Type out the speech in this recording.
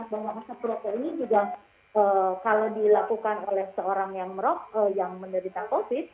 bahwa asap rokok ini juga kalau dilakukan oleh seorang yang menderita covid